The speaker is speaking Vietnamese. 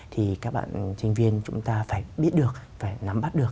thì các bạn sinh viên chúng ta phải biết được phải nắm bắt được